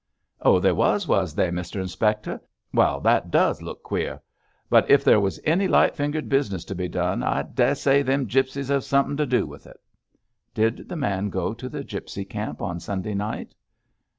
'Oh, they was, was they, Mr Inspector? Well, that does look queer. But if there was any light fingered business to be done, I dessay them gipsies hev somethin' to do with it.' 'Did the man go to the gipsy camp on Sunday night?'